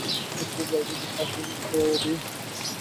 اتنی جلدی غصہ کیوں سوری